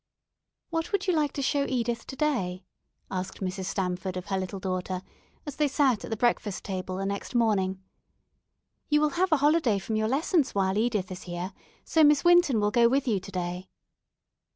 "What would you like to show Edith to day?" asked Mrs. Stamford of her little daughter, as they sat at the breakfast table the next morning. "You will have a holiday from your lessons while Edith is here, so Miss Winton will go with you to day."